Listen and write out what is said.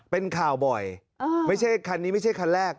เป็นคาวบอยคันนี้ไม่ใช่คันแรก